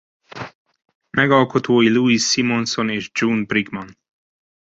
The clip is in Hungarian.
Megalkotói Louise Simonson és June Brigman.